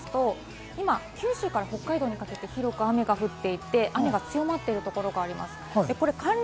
レーダーの様子を見ますと今、九州から北海道にかけて広く雨が降っていて、強まっているところがあります。